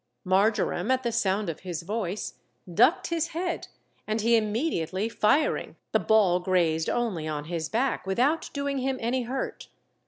_ Marjoram, at the sound of his voice, ducked his head, and he immediately firing, the ball grazed only on his back, without doing him any hurt.